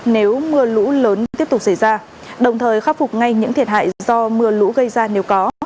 nếu mưa lũ lớn tiếp tục xảy ra đồng thời khắc phục ngay những thiệt hại do mưa lũ gây ra nếu có